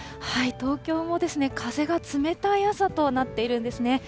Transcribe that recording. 東京も風が冷たい朝となっているんですね。